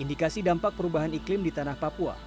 indikasi dampak perubahan iklim di tanah papua